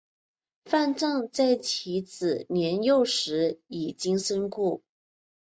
范正在其子年幼时已经身故。